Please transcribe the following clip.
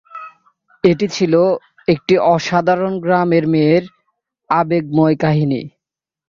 এটি ছিল একটি সাধারণ গ্রামের মেয়ের আবেগময় কাহিনী।